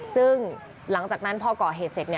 ซึ่งหลังจากนั้นพอก่อเหตุเสร็จ